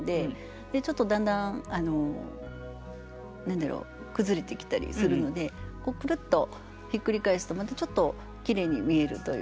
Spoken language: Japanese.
ちょっとだんだん何だろう崩れてきたりするのでくるっとひっくり返すとまたちょっときれいに見えるという。